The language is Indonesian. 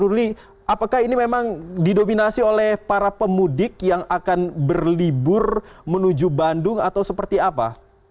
ruli apakah ini memang didominasi oleh para pemudik yang akan berlibur menuju bandung atau seperti apa